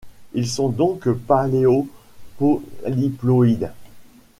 Ils sont donc paléopolyploïdes.